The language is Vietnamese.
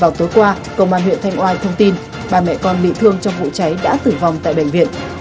tối qua công an huyện thanh oai thông tin bà mẹ con bị thương trong vụ cháy đã tử vong tại bệnh viện